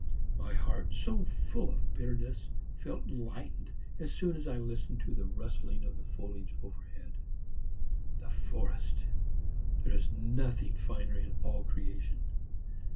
My heart, so full of bitterness, felt lightened as soon as I listened to the rustling of the foliage overhead. The forest! There is nothing finer in all creation.